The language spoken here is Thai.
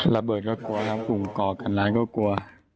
ระเบิดก็กลัวนะครับอุ่งกรอกกันร้านก็กลัว